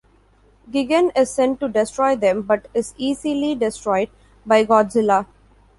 Gigan is sent to destroy them but is easily destroyed by Godzilla.